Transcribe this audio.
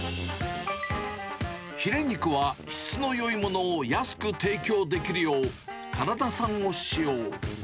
ひれ肉は質のよいものを安く提供できるよう、カナダ産を使用。